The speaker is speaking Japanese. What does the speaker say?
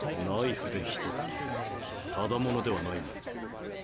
ナイフでひと突きただ者ではないな。